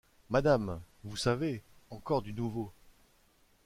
Madame !... vous savez !... encore du nouveau !